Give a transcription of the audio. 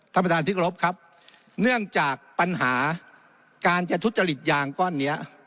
ท่านประธานที่กรบครับเนื่องจากปัญหาการจะทุจริตยางก้อนนี้